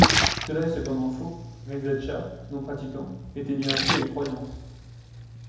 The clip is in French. Cela est cependant faux, Reza Chah, non-pratiquant, était bien pieux et croyant.